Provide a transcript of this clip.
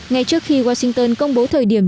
ngay trước khi washington công bố thời điểm